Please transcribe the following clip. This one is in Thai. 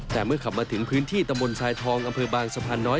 แต่เมื่อขับมาถึงพื้นที่ตำบลทรายทองอำเภอบางสะพานน้อย